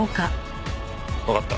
わかった。